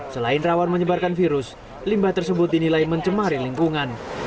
selain rawan menyebarkan virus limbah tersebut dinilai mencemari lingkungan